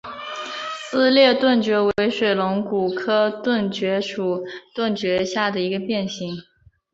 撕裂盾蕨为水龙骨科盾蕨属盾蕨下的一个变型。